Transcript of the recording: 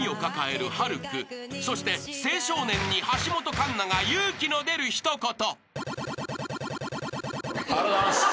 ［そして青少年に橋本環奈が勇気の出る一言］